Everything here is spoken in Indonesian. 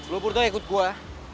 lu purta ikut gua